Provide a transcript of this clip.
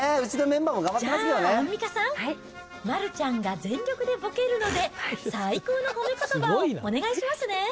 じゃあ、アンミカさん、丸ちゃんが全力でボケるので、最高の褒めことばをお願いしますね。